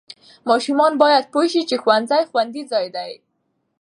ماشوم باید پوه شي چې ښوونځي خوندي ځای دی.